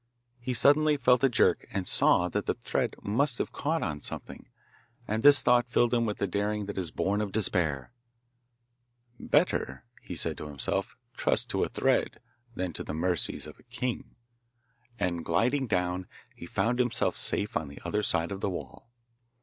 He suddenly felt a jerk, and saw that the thread must have caught on something, and this thought filled him with the daring that is born of despair. 'Better,' he said to himself, 'trust to a thread than to the mercies of a king;' and, gliding down, he found himself safe on the other side of the wall.